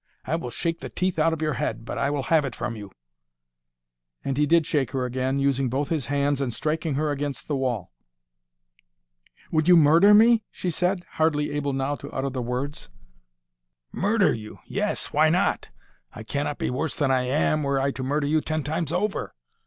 I will shake the teeth out of your head, but I will have it from you." And he did shake her again, using both his hands and striking her against the wall. "Would you—murder me?" she said, hardly able now to utter the words. "Murder you, yes; why not? I cannot be worse than I am, were I to murder you ten times over.